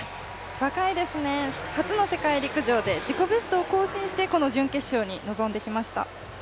若いですね、初の世界陸上で自己ベストを更新してこの準決勝に臨んできました。